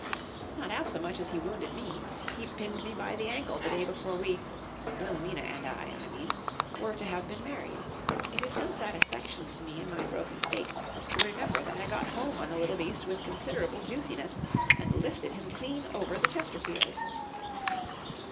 "Not half so much as he wounded me. He pinned me by the ankle the day before we—Wilhelmina and I, I mean—were to have been married. It is some satisfaction to me in my broken state to remember that I got home on the little beast with considerable juiciness and lifted him clean over the Chesterfield."